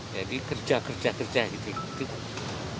jadi kerja kerja kerja hidup hidup